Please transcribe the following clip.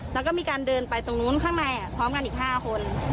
แล้วก็มีการเดินไปตรงนู้นข้างในพร้อมกันอีก๕คน